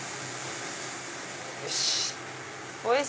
よし！